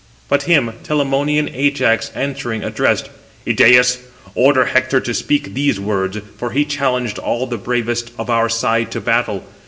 But him Telamonian Ajax answering addressed: "Idæus, order Hector to speak these words, for he challenged all the bravest [of our side] to battle.